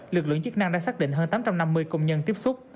lực lượng chức năng đã xác định hơn tám trăm năm mươi công nhân tiếp xúc